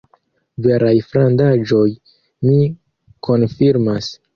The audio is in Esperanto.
Veraj frandaĵoj, mi konfirmas.